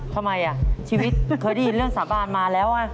ทำไมชีวิตเคยได้ยินเรื่องสาบานมาแล้ว